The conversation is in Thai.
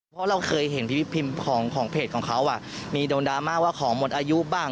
เพราะเราเคยเห็นพิมพ์ของเพจของเขามีโดนดราม่าว่าของหมดอายุบ้าง